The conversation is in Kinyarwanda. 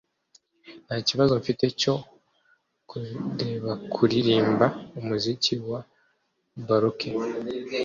Ntakibazo mfite cyo kurebakuririmba umuziki wa baroque